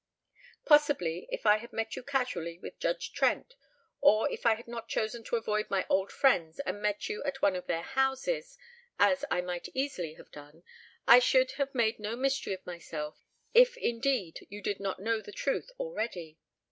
"Possibly if I had met you casually with Judge Trent, or if I had not chosen to avoid my old friends and met you at one of their houses, as I might easily have done, I should have made no mystery of myself; if indeed you did not know the truth already.